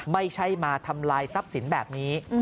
ไม่ใช่มาทำลายทรัพย์สินแบบนี้